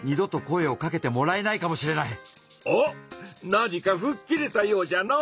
なにかふっきれたようじゃの。